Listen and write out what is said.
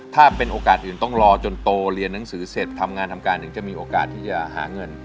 ถ้าเป็นโอกาสอื่นต้องรอจนโตเรียนหนังสือเสร็จทำงานทำการถึงจะมีโอกาสที่จะหาเงิน